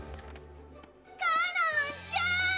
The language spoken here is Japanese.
かのんちゃん！